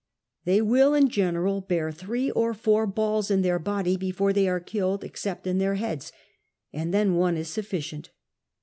They will in general bear three or four balls in their l)odie8 before they are kille<l, except in their heads, a,nd then one is sufficient.